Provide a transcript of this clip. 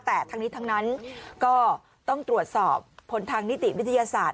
แต่ทั้งนี้ทั้งนั้นก็ต้องตรวจสอบผลทางนิติวิทยาศาสตร์